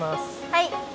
はい。